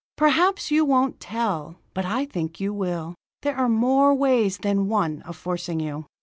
"Perhaps you won't tell, but I think you will. There are more ways than one of forcing you."